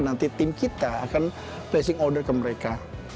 nanti tim kita akan placing order ke mereka